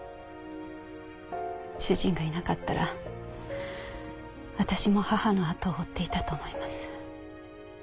主人がいなかったら私も母の後を追っていたと思います。